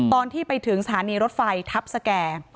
ตอนที่ไปถึงสถานีรถไฟทัพสแก่